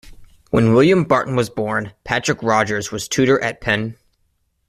When William Barton was born, Patrick Rogers was tutor at Penn.